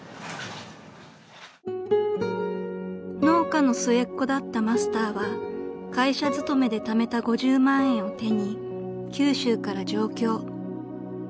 ［農家の末っ子だったマスターは会社勤めでためた５０万円を手に九州から上京］